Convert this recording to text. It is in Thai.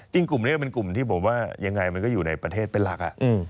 กลุ่มนี้ก็เป็นกลุ่มที่ผมว่ายังไงมันก็อยู่ในประเทศเป็นหลัก